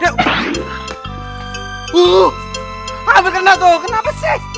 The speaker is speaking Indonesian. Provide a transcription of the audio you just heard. wuh hampir kena tuh kenapa sih